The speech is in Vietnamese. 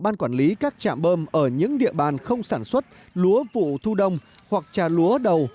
ban quản lý các trạm bơm ở những địa bàn không sản xuất lúa vụ thu đông hoặc trà lúa đầu